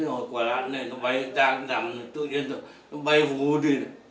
nó quả đạn này nó bay ra cũng giảm rồi tự nhiên rồi nó bay vô đi